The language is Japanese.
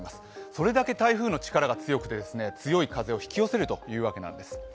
それだけ台風の力が強くて、強い風を引き寄せるというわけなんです。